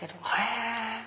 へぇ！